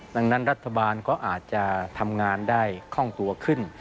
ดังนั้นรัฐบาลก็อาจจะทำงานได้คล่องตัวขึ้น